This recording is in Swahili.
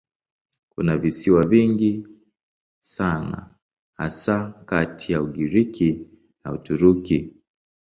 Kuna visiwa vingi sana hasa kati ya Ugiriki na Uturuki.